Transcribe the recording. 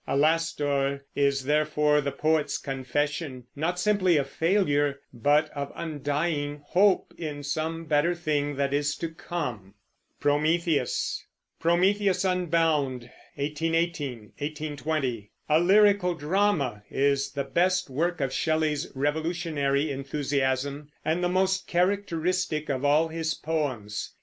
Alastor is therefore the poet's confession, not simply of failure, but of undying hope in some better thing that is to come. Prometheus Unbound (1818 1820), a lyrical drama, is the best work of Shelley's revolutionary enthusiasm, and the most characteristic of all his poems.